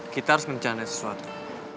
kita harus mencanda sesuatu